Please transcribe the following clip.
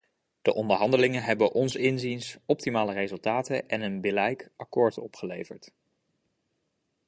De onderhandelingen hebben ons inziens optimale resultaten en een billijk akkoord opgeleverd.